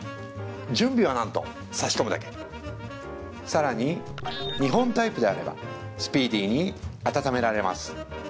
準備はなんと差し込むだけさらに２本タイプであればスピーディーに温められます